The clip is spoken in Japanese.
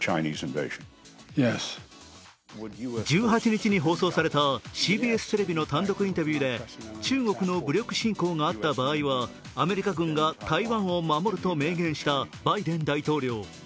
１８日に放送されたＣＢＳテレビの単独インタビューで中国の武力侵攻があった場合は、アメリカ軍が台湾を守ると明言したバイデン大統領。